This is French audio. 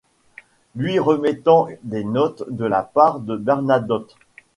Lui remettant des notes de la part de Bernadotte.